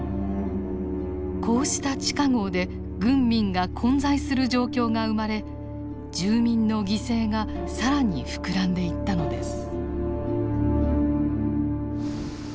こうした地下壕で軍民が混在する状況が生まれ住民の犠牲が更に膨らんでいったのです。